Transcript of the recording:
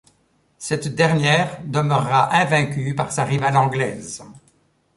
Cette dernière demeurera invaincue par sa rivale anglaise.